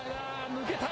抜けた。